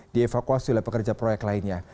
dievakuasi oleh pekerja proyek lainnya